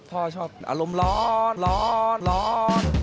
ชอบอารมณ์ร้อนร้อนร้อน